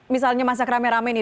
misalnya masak rame rame nih